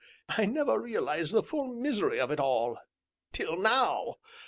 I never realized the full misery of it all till now!